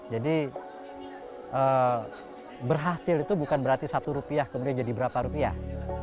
jadi berhasil itu bukan berarti satu rupiah kemudian menjadi berapa rupiah